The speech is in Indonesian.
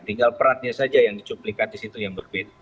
tinggal perannya saja yang dicuplikan di situ yang berbeda